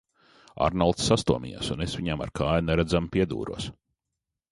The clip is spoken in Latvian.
Arnolds sastomījās un es viņam ar kāju neredzami piedūros.